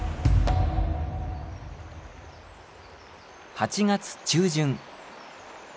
８月中旬。